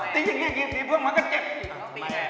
สีนิ่งนี่สีพวกมันก็เจ็บ